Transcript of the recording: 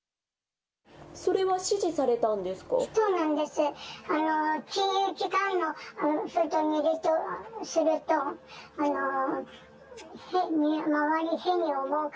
それは指示されたんですか？